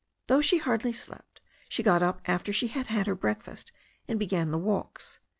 Though she hardly slept, she got up after she had had her breakfast and began the walks.